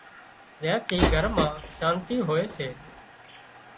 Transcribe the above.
زين ٿِي گھر مان شانتي هوئي سي